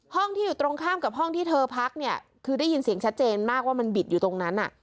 ห้องที่อยู่ตรงข้ามกับห้องที่เธอพักเนี่ยคือได้ยินเสียงชัดเจนมากว่ามันบิดอยู่ตรงนั้น